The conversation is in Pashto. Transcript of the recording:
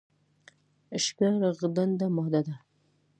شګه رغنده ماده ده.